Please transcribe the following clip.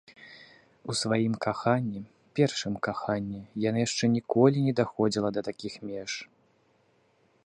У сваім каханні, першым каханні, яна яшчэ ніколі не даходзіла да такіх меж.